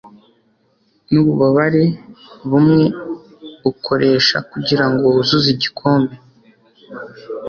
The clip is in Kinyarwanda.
nububabare bumwe ukoresha kugirango wuzuze igikombe